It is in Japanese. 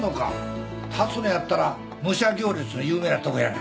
龍野やったら武者行列の有名なとこやな。